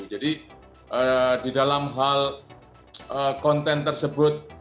jadi di dalam hal konten tersebut